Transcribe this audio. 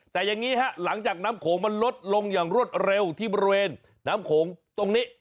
แต่อย่างนี้ฮะหลังจากน้ำโขงมันลดลงอย่างรวดเร็วที่บริเวณน้ำโขงตรงนี้